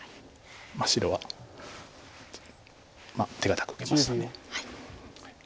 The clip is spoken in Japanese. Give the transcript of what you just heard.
白はまあ手堅く受けました。